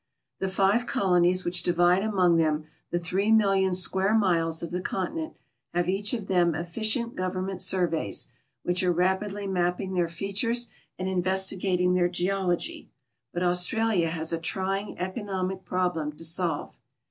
The five colonies which divide among them the three million square miles of the conti nent have each of them efficient government surveys, which are rapidl}'' mapping their features and investigating their geology ; but Australia has a trying economic problem to solve.